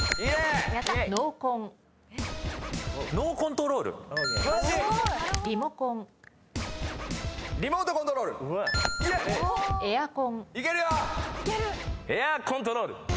エアーコントロール。